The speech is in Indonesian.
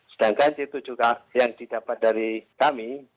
sedangkan c tujuh yang didapat dari kami